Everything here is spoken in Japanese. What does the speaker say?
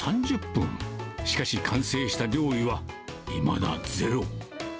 しかし、完成した料理はいまだゼロ。